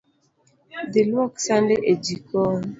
Dhi luok sande e jikon